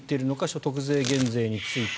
所得税減税について